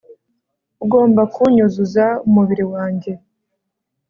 ugomba kunyunyuza umubiri wanjye